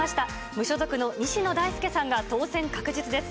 無所属の西野太亮さんが当選確実です。